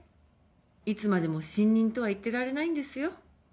いつまでも新任とは言ってられないんですよ。